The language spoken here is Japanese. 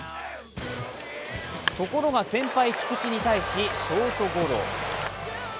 ところが先輩・菊池に対しショートゴロ。